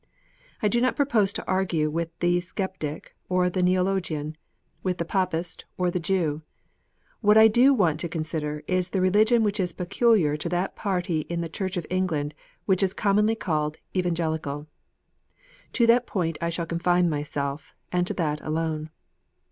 I do not propose to argue with the Sceptic or the Neologian, with the Papist or the Jew. What I do want to consider is the religion which is peculiar to that party in the Church of England which is commonly called " Evangelical." To that point I shall confine myself, and to that alone.